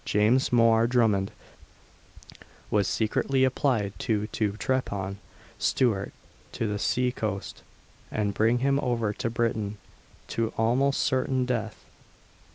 James Mhor Drummond was secretly applied to to trepan Stewart to the sea coast, and bring him over to Britain, to almost certain death.